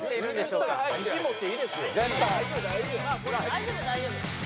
大丈夫大丈夫。